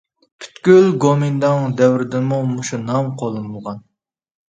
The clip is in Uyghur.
پۈتكۈل گومىنداڭ دەۋرىدىمۇ مۇشۇ نام قوللىنىلغان.